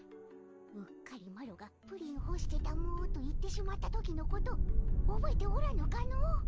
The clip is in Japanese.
うっかりマロがプリンほしてたもと言ってしまった時のことおぼえておらぬかの。